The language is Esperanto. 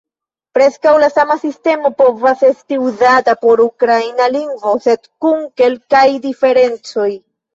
Preskaŭ la sama sistemo povas esti uzata por ukraina lingvo, sed kun kelkaj diferencoj.